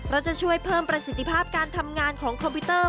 จะช่วยเพิ่มประสิทธิภาพการทำงานของคอมพิวเตอร์